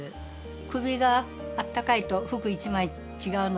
首があったかいと服１枚違うので。